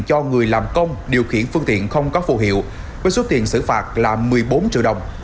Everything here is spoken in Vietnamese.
cho người làm công điều khiển phương tiện không có phù hiệu với số tiền xử phạt là một mươi bốn triệu đồng